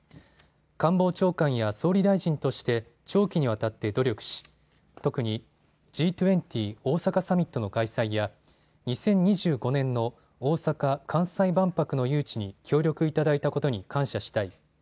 官房長官や総理大臣として長期にわたって努力し特に、Ｇ２０大阪サミットの開催や２０２５年の大阪・関西万博の誘致に協力いただいたことに感謝したい。